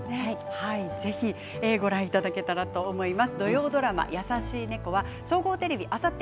ぜひご覧いただけたらと思います。